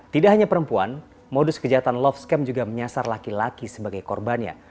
tidak hanya perempuan modus kejahatan love scam juga menyasar laki laki sebagai korbannya